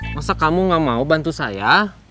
masa kamu gak mau bantu saya